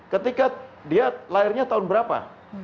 ketika dia lahirnya tahun berapa